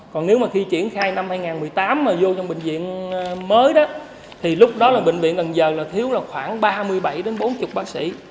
còn nếu mà khi triển khai năm hai nghìn một mươi tám mà vô trong bệnh viện mới thì lúc đó là bệnh viện cần giờ thiếu khoảng ba mươi bảy đến bốn mươi bác sĩ